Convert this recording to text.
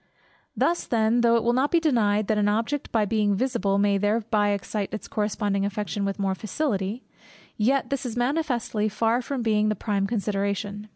Thus then, though it will not be denied that an object by being visible may thereby excite its corresponding affection with more facility; yet this is manifestly far from being the prime consideration.